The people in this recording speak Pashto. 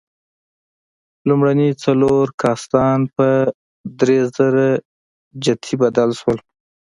لومړني څلور کاستان په درېزره جتي بدل شول.